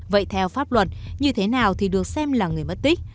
vậy theo pháp luật như thế nào thì được xem là người mất tích